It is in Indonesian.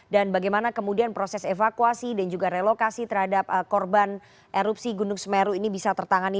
dan bagaimana kemudian proses evakuasi dan juga relokasi terhadap korban erupsi gunung semeru ini bisa tertangani